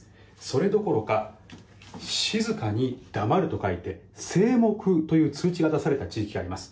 それどころか静かに黙ると書いて静黙という通知が出された地域があります。